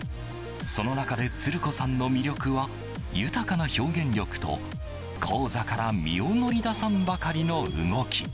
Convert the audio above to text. その中で、つる子さんの魅力は豊かな表現力と、高座から身を乗り出さんばかりの動き。